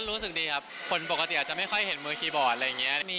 รู้สึกดีครับคนปกติจะไม่ค่อยเห็นมือคีย์บอร์ด